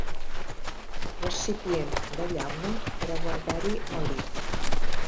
Recipient de llauna per a guardar-hi oli.